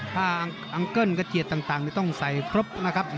ทางอังเกิ้ลกระเจียดต่างต้องใส่ครบนะครับ